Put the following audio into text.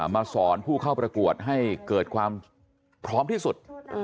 มาสอนผู้เข้าประกวดให้เกิดความพร้อมที่สุด